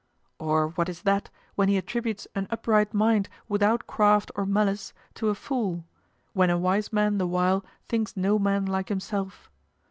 Or what is that, when he attributes an upright mind without craft or malice to a fool, when a wise man the while thinks no man like himself?